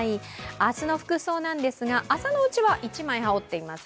明日の服装なんですが朝のうちは１枚羽織っています。